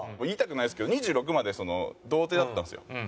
言いたくないですけど２６までその童貞だったんですよ。